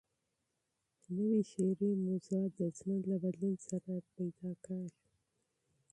نوي شعري موضوعات د ژوند له بدلون سره پیدا کېږي.